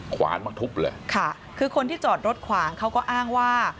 ขวานมาทุบเลยค่ะคือคนที่จอดรถขวางเขาก็อ้างว่า